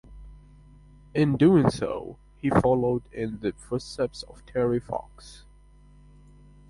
In doing so, he followed in the footsteps of Terry Fox.